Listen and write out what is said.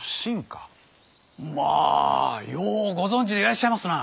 まぁようご存じでいらっしゃいますな！